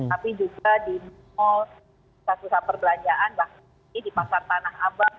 tapi juga di mall pusat pusat perbelanjaan bahkan di pasar tanah abang